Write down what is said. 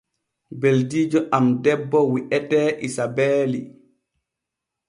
Ɓeldiijo am debbo wi’etee Isabeeli.